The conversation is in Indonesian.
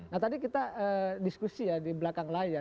nah tadi kita diskusi ya di belakang layar